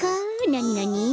なになに？